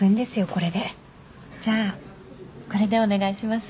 これでじゃあこれでお願いします